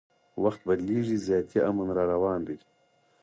وخت بدلیږي زیاتي امن راروان دي